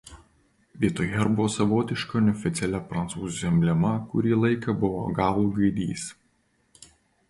Vietoj herbo savotiška neoficialia Prancūzijos emblema kurį laiką buvo galų gaidys.